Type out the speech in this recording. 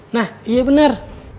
nah iya bener